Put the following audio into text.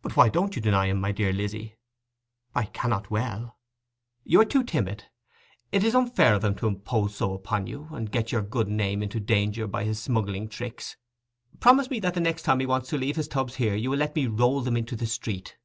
'But why don't you deny him, my dear Lizzy?' 'I cannot well.' 'You are too timid. It is unfair of him to impose so upon you, and get your good name into danger by his smuggling tricks. Promise me that the next time he wants to leave his tubs here you will let me roll them into the street?